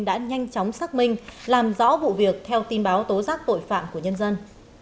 đã nhanh chóng xác minh làm rõ vụ việc theo tin báo tố giác tội phạm của nhân dân